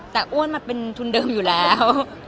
แต่อ้วนมาเป็นทุนเดิมอยู่แล้ว